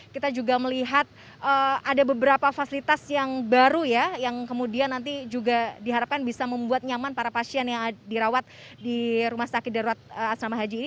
kita juga melihat ada beberapa fasilitas yang baru ya yang kemudian nanti juga diharapkan bisa membuat nyaman para pasien yang dirawat di rumah sakit darurat asrama haji ini